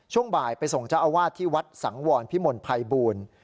ช่วงบ่ายไปส่งเจ้าอาวาสที่วัดสังวรพิมลภัยบูรณ์